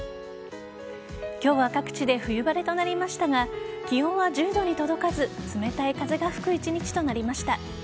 今日は各地で冬晴れとなりましたが気温は１０度に届かず冷たい風が吹く一日となりました。